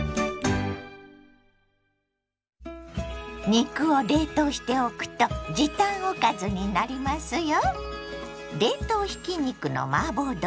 肉を冷凍しておくと時短おかずになりますよ。